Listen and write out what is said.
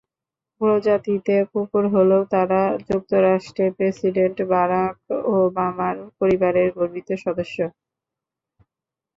প্রজাতিতে কুকুর হলেও তারা যুক্তরাষ্ট্রের প্রেসিডেন্ট বারাক ওবামার পরিবারের গর্বিত সদস্য।